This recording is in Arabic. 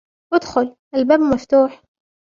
ادخل, الباب مفتوح.